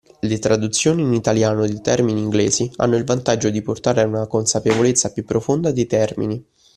Le traduzioni in italiano dei termini inglesi hanno il vantaggio di portare a una consapevolezza più profonda dei termini